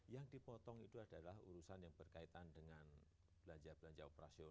yang dipotong itu adalah urusan yang berkaitan dengan belanja belanja operasional